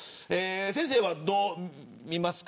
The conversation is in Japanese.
先生はどう見ますか。